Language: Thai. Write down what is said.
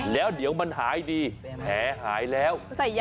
แล้วเดี๋ยวมันหายดีแผลหายแล้ว